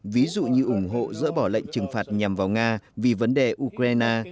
ví dụ như ủng hộ dỡ bỏ lệnh trừng phạt nhằm vào nga vì vấn đề ukraine